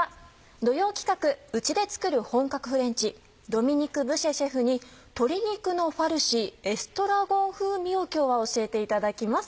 土曜企画家で作る本格フレンチドミニク・ブシェシェフに「鶏肉のファルシーエストラゴン風味」を今日は教えていただきます。